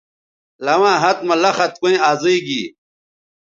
لواں ہَت مہ لخت کویں ازئ گی